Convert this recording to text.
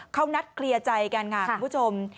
เขานัดเคลียร์ใจกันค่ะคุณผู้ชม